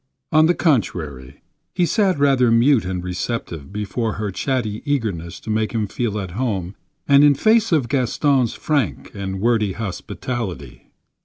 On the contrary, he sat rather mute and receptive before her chatty eagerness to make him feel at home and in face of Gaston's frank and wordy hospitality.